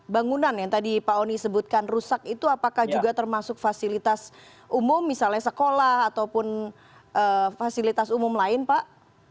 bangunan yang tadi pak oni sebutkan rusak itu apakah juga termasuk fasilitas umum misalnya sekolah ataupun fasilitas umum lain pak